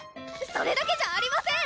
それだけじゃありません！